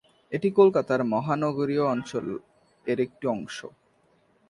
এটি কলকাতা মহানগরীয় অঞ্চল এর একটি অংশ।